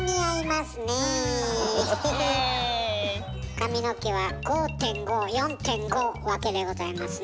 髪の毛は５．５４．５分けでございますね。